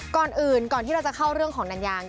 ก่อนอื่นก่อนที่เราจะเข้าเรื่องของนันยาง